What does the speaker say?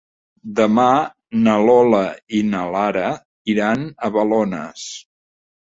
Demà na Lola i na Lara iran a Balones.